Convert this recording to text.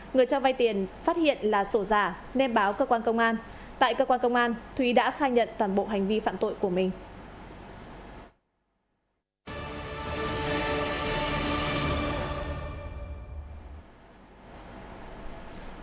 người cho vay tiền phát hiện là sổ giả nên báo cơ quan công an tại cơ quan công an thúy đã khai nhận toàn bộ hành vi phạm tội của mình